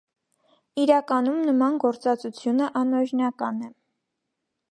Իրականում նման գործածությունը անօրինական է։